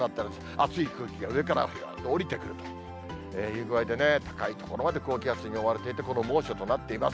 熱い空気が上から下りてくるという具合でね、高い所まで高気圧に覆われていて、この猛暑となっています。